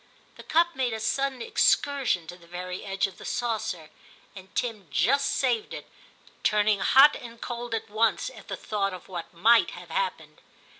The cup made a sudden excursion to the very edge of the saucer, and Tim just saved it, turning hot and cold at once at the thought of what might have happened.